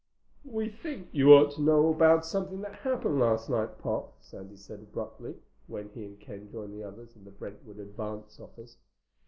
"We think you ought to know about something that happened last night, Pop," Sandy said abruptly, when he and Ken joined the others in the Brentwood Advance office.